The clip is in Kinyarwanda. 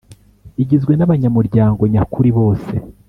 Igizwe n abanyamuryango nyakuri bose